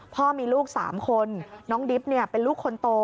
พ่อมีลูก๓คนน้องดิบเป็นลูกคนโต